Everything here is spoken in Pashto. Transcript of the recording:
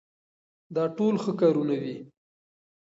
دا ټول ښه کارونه دي.